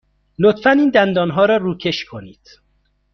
لطفاً این دندان را روکش کنید.